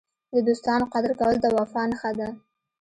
د دوستانو قدر کول د وفا نښه ده.